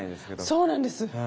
そうなんです。